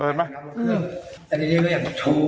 ในตีนี้เราก็อยากจะชู